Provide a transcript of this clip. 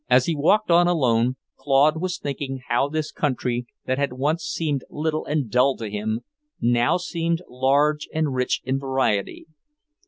As he walked on alone, Claude was thinking how this country that had once seemed little and dull to him, now seemed large and rich in variety.